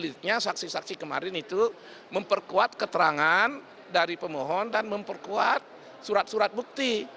tapi kemungkinan untuk menguasai saksi kemarin itu memperkuat keterangan dari pemohon dan memperkuat surat surat bukti